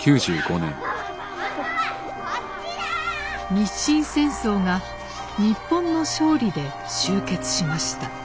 日清戦争が日本の勝利で終結しました。